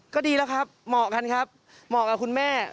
ก็ดีแล้วครับเหมาะกันครับเหมาะกับคุณแม่